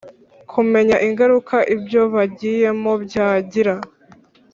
kumenya ingaruka ibyo bagiyemo byagira